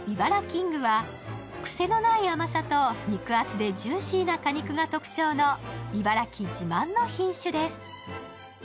キングは、癖のない甘さと肉厚でジューシーな果肉が特徴の茨城自慢の品種です。